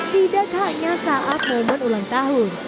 tidak hanya saat momen ulang tahun